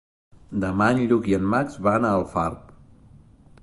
Demà en Lluc i en Max van a Alfarb.